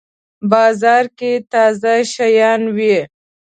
بازار کی تازه شیان وی